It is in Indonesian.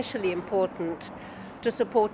saya merasa sedih untuk semua orang